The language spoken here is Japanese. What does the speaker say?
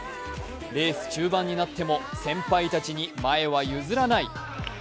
レース中盤になっても先輩たちに前は譲らない。